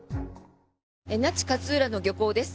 那智勝浦の漁港です。